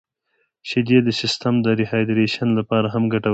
• شیدې د سیستم د ریهایدریشن لپاره هم ګټورې دي.